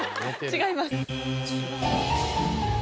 違います。